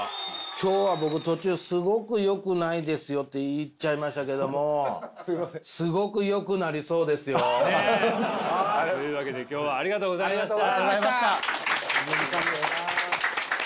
今日は僕途中「すごくよくないですよ」って言っちゃいましたけどもというわけで今日はありがとうございました。